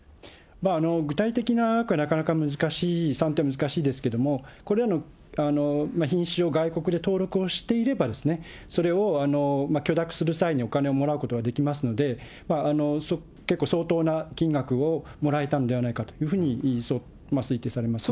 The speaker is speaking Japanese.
具体的なのはなかなか難しい、算定難しいですけれども、これらの品種を外国で登録をしていれば、それを許諾する際にお金もらうことができますので、結構相当な金額をもらえたのではないかというふうに推計されます